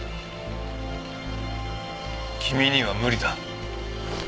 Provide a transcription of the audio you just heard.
君には無理だ。